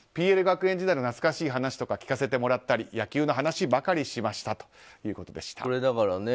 学園時代の懐かしい話とか聞かせてもらったり野球の話ばかりしましたということです。